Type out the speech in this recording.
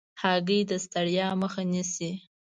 هګۍ د ستړیا مخه نیسي.